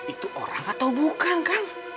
itu orang atau bukan kan